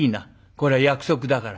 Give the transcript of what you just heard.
これは約束だから」。